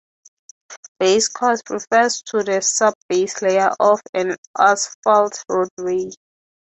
"Base course" refers to the sub-base layer of an asphalt roadway.